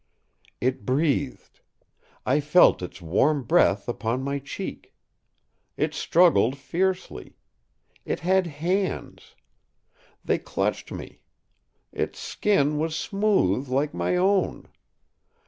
It breathed. I felt its warm breath upon my cheek. It struggled fiercely. It had hands. They clutched me. Its skin was smooth, like my own.